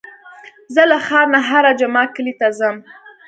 زه له ښار نه هره جمعه کلي ته ځم.